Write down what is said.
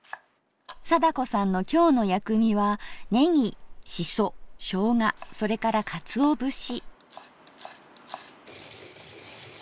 貞子さんの今日の薬味はねぎしそしょうがそれからかつお節。